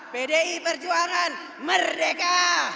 pdi perjuangan merdeka